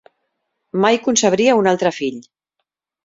Mai concebria un altre fill.